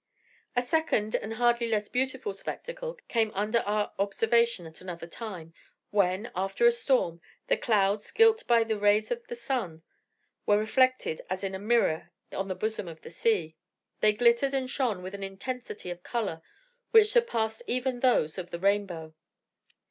A second, and hardly less beautiful, spectacle came under our observation at another time, when, after a storm, the clouds, gilt by the rays of the sun, were reflected as in a mirror on the bosom of the sea. They glittered and shone with an intensity of colour which surpassed even those of the rainbow.